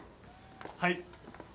はい。